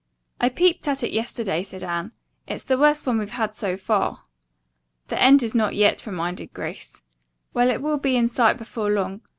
"I peeped at it yesterday," said Anne. "It's the worst one we've had, so far." "The end is not yet," reminded Grace. "Well it will be in sight before long.